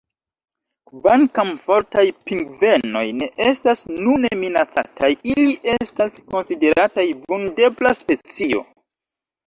Kvankam Fortaj pingvenoj ne estas nune minacataj, ili estas konsiderataj vundebla specio.